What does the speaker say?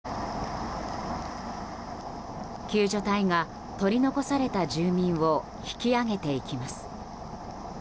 救助隊が取り残された住民を引き上げていきます。